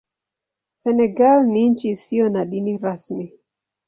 Senegal ni nchi isiyo na dini rasmi.